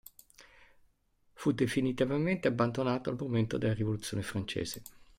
Fu definitivamente abbandonato al momento della Rivoluzione francese.